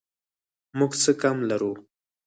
موږ څه کم لرو؟